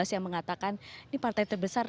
yang mengatakan ini partai terbesar